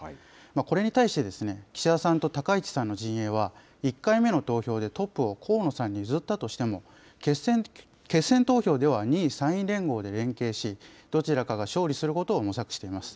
これに対して、岸田さんと高市さんの陣営は、１回目の投票でトップを河野さんに譲ったとしても、決選投票では２位・３位連合で連携し、どちらかが勝利することを模索しています。